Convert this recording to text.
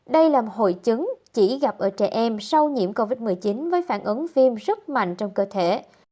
đây là một hội chứng chỉ gặp ở trẻ em sau nhiễm covid một mươi chín với phản ứng phim rất mạnh trong cơ thể